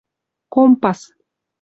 компас